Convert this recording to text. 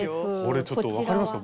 これちょっと分かりますか？